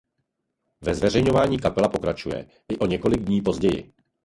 Ve zveřejňování kapela pokračuje i o několik dní později.